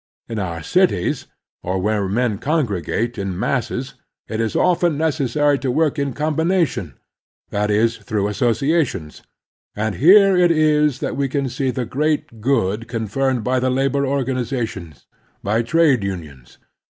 In our cities, or where men congr^[ate in masses, it is often necessary to work in combina tion, that is, through associations ; and here it is that we can see the great good conferred by labor organizations, by trade tmions.